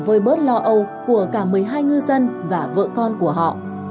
vơi bớt lo âu của cả một mươi hai ngư dân và vợ con của họ